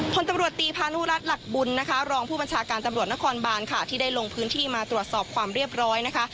คนตำรวจตีพานุรัติหลักบุญนะคะรองผู้บัญชาการตำรวจนครบานค่ะที่ได้ลงพื้นที่มาตรวจสอบความเรียบร้อยนะคะ